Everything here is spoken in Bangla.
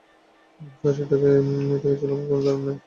স্যার, এটা কে ছিল আমার কোন ধারণা নেই।